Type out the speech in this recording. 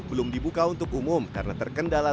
belum dibuka untuk umum karena terkendala